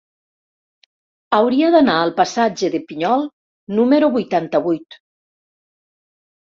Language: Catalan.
Hauria d'anar al passatge de Pinyol número vuitanta-vuit.